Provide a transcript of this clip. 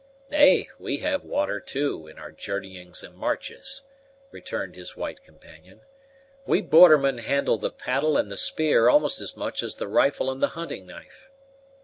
"Nay, we have water too, in our journeyings and marches," returned his white companion; "we bordermen handle the paddle and the spear almost as much as the rifle and the hunting knife."